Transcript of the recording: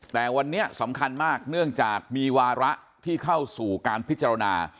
แต่วันนี้สำคัญมากเนื่องจากมีวาระที่เข้าสู่การพิจารณา